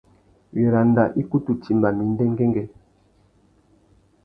Wiranda i kutu timba mí ndêndêngüê.